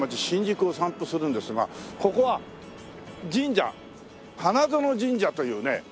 新宿を散歩するんですがここは神社花園神社というね。